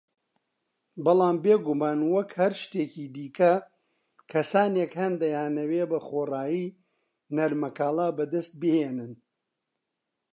بەڵام بیگومان وەک هەر شتێکی دیکە، کەسانێک هەن دەیانەوێ بەخۆڕایی نەرمەکاڵا بەدەست بهێنن